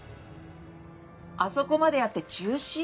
あそこまでやって中止？